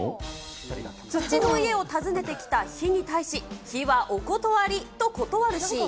土の家を訪ねてきた火に対し、火はお断りと断るシーン。